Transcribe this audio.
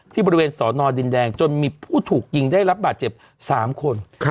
บริเวณสอนอดินแดงจนมีผู้ถูกยิงได้รับบาดเจ็บ๓คน